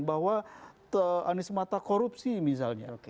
bahwa anies mata korupsi misalnya